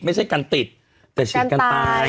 แต่ฉีดการตาย